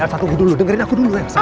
elsa tunggu dulu dengerin aku dulu elsa